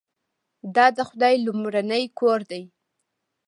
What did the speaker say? دا د خدای لومړنی کور دی.